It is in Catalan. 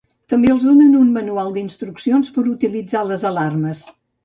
També els donen un manual d'instruccions per utilitzar les alarmes.